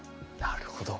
なるほど。